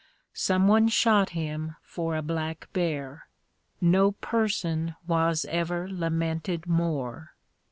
Someone shot him for a black bear. No person was ever lamented more.